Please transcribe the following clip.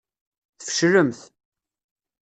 Tfeclemt.